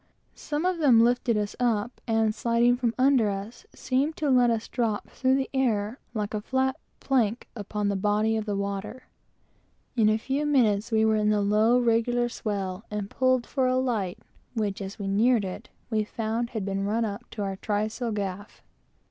Some of them lifted us up, and sliding from under us, seemed to let us drop through the air like a flat plank upon the body of the water. In a few minutes we were in the low, regular swell, and pulled for a light, which, as we came up, we found had been run up to our trysail gaff.